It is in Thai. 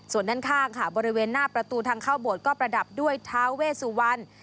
ส่วนด้านข้างค่ะบริเวณหน้าประตูทางเข้าโบสถ์ก็ประดับด้วยท้าเวสุวรรณ